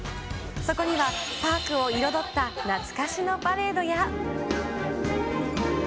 そこには、パークを彩った懐かしのパレードや。